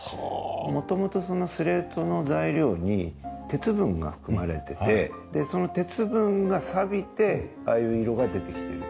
元々スレートの材料に鉄分が含まれててその鉄分がさびてああいう色が出てきている。